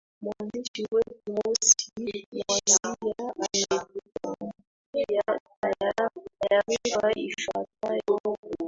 mwandishi wetu mosi mwazia ametuandalia taarifa ifuatayo